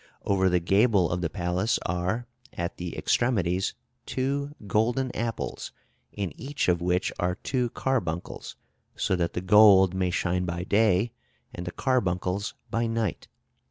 Over the gable of the palace are, at the extremities, two golden apples, in each of which are two carbuncles, so that the gold may shine by day, and the carbuncles by night.